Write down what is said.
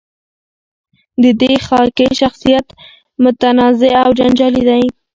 د دې خاکې شخصیت متنازعه او جنجالي دی.